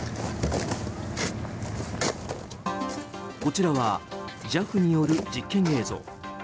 こちらはＪＡＦによる実験映像。